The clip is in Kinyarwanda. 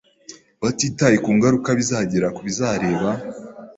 batitaye ku ngaruka bizagira ku bazireba